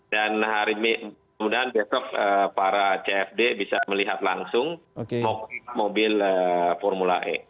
dan hari minggu kemudian besok para cfd bisa melihat langsung mobil formula e